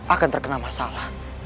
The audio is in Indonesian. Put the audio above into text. akan terkena masalah